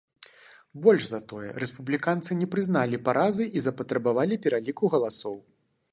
Больш за тое, рэспубліканцы не прызналі паразы і запатрабавалі пераліку галасоў.